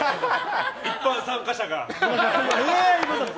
一般参加者が！